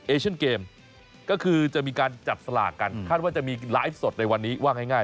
เอเชนเกมก็คือจะมีการจับสลากกันคาดว่าจะมีไลฟ์สดในวันนี้ว่าง่าย